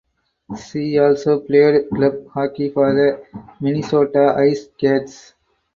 She also played club hockey for the Minnesota Ice Cats.